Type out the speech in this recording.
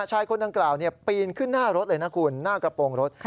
ชายคนดังกล่าวปีนขึ้นหน้ารถเลยนะคุณหน้ากระโปรงรถ